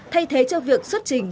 thay thế cho việc xuất trình